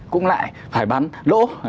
cũng lại phải bắn lỗ